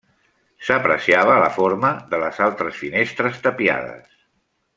S'apreciava la forma de les altres finestres tapiades.